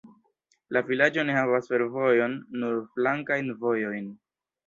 La vilaĝo ne havas fervojon, nur flankajn vojojn.